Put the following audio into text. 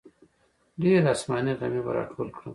ډېر اسماني غمي به راټول کړم.